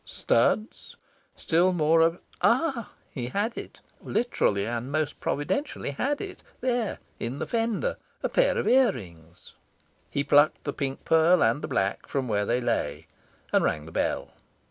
Studs? Still more abs Ah! he had it, he literally and most providentially had it, there, in the fender: a pair of ear rings! He plucked the pink pearl and the black from where they lay, and rang the bell.